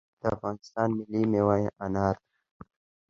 د افغانستان ملي میوه انار ده